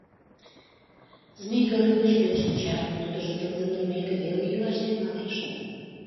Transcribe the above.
Змей Горыныч пел шинчан, тудыжо тылзе нӧлтмеке веле йӱлаш тӱҥалеш.